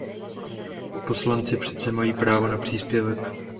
Poslanci přece mají právo na příspěvek.